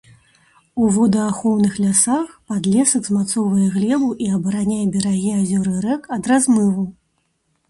У водаахоўных лясах падлесак змацоўвае глебу і абараняе берагі азёр і рэк ад размыву.